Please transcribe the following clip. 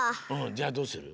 じゃあどうする？